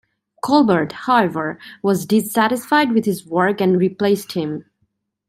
Colbert, however, was dissatisfied with his work and replaced him.